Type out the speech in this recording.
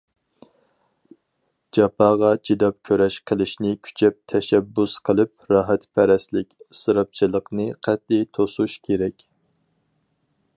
جاپاغا چىداپ كۈرەش قىلىشنى كۈچەپ تەشەببۇس قىلىپ، راھەتپەرەسلىك، ئىسراپچىلىقنى قەتئىي توسۇش كېرەك.